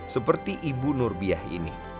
seperti ibu nurbiah ini